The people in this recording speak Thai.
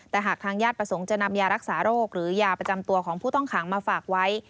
แต่หากทางญาติประสงค์จะนำยารักษาโรคหรือยาประจำตัวของผู้ต้องขังมาฝากไว้